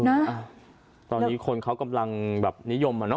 เออตอนนี้คนเขากำลังนิยม